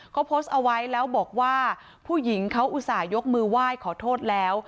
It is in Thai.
เขาโพสต์เอาไว้แล้วบอกว่าผู้หญิงเขาอุตส่าห์ยกมือไหว้ขอโทษแล้ว